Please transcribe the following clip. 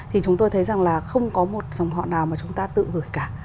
thì chúng tôi thấy rằng là không có một dòng họ nào mà chúng ta tự gửi cả